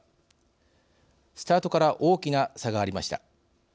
スタートから大きな差がありました。